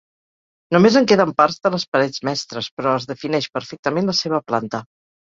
Només en queden parts de les parets mestres, però es defineix perfectament la seva planta.